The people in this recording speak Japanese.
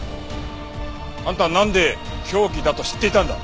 あんたはなんで凶器だと知っていたんだ？